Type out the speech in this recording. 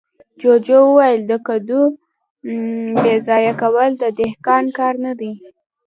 جوجو وويل: د کندو بېځايه کول د دهقان کار نه دی.